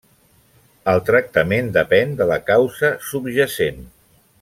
El tractament depèn de la causa subjacent.